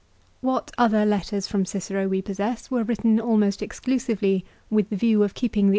WHAT other letters from Cicero we possess were written B.C. 43 a ^ mos t exclusively with the view of keeping the aetat.